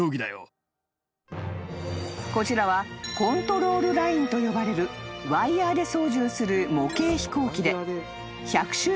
［こちらはコントロールラインと呼ばれるワイヤで操縦する模型飛行機で］